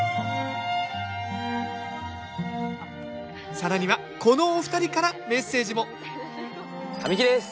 更にはこのお二人からメッセージも神木です！